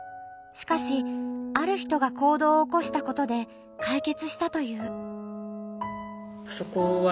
しかしある人が行動をおこしたことで解決したという。